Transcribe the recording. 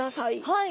はい。